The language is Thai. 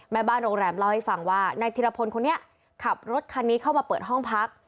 แม่บ้านโรงแรมเล่าให้ฟังว่านายธิรพลคนนี้ขับรถคันนี้เข้ามาเปิดห้องพัก